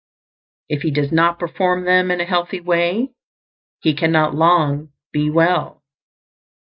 If he does not perform them in a healthy way, he cannot long be well.